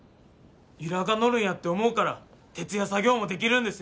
由良が乗るんやって思うから徹夜作業もできるんですよ。